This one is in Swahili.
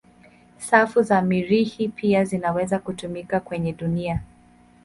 Safu za Mirihi pia zinaweza kutumika kwenye dunia.